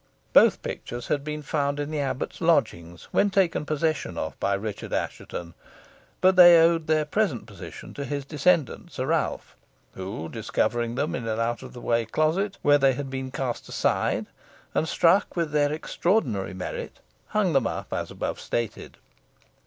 Both pictures had been found in the abbot's lodgings, when taken possession of by Richard Assheton, but they owed their present position to his descendant, Sir Ralph, who discovering them in an out of the way closet, where they had been cast aside, and struck with their extraordinary merit, hung them up as above stated.